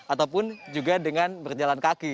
ataupun juga dengan berjalan kaki